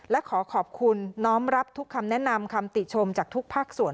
และขอขอบคุณน้อมรับทุกคำแนะนำคำติชมจากทุกภาคส่วน